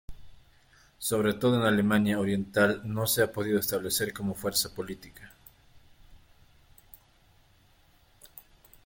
Sobre todo en Alemania Oriental no se ha podido establecer como fuerza política.